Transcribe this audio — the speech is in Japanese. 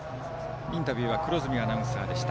インタビューは黒住アナウンサーでした。